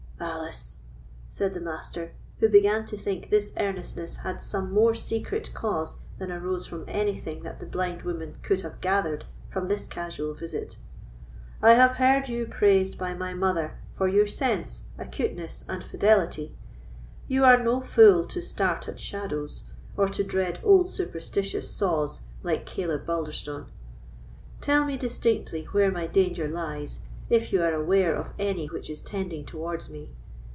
"Alice," said the Master, who began to think this earnestness had some more secret cause than arose from anything that the blind woman could have gathered from this casual visit, "I have heard you praised by my mother for your sense, acuteness, and fidelity; you are no fool to start at shadows, or to dread old superstitious saws, like Caleb Balderstone; tell me distinctly where my danger lies, if you are aware of any which is tending towards me.